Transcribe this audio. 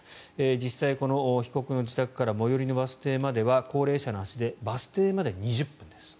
実際、この被告の自宅から最寄りのバス停までは高齢者の足でバス停まで２０分です。